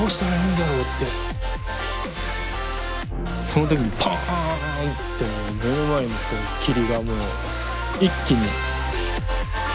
その時にパンってもう目の前の霧がもう一気に。